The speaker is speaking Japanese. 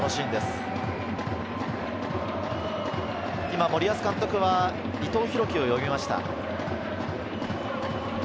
今、森保監督は伊藤洋輝を呼びました。